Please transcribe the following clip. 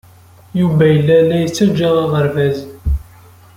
Yuba yella la yettaǧǧa aɣerbaz.